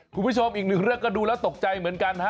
คุณผู้ชมอีกหนึ่งเรื่องก็ดูแล้วตกใจเหมือนกันฮะ